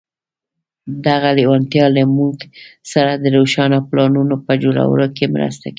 دغه لېوالتیا له موږ سره د روښانه پلانونو په جوړولو کې مرسته کوي.